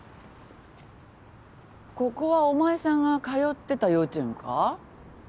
ここはお前さんが通ってた幼稚園か？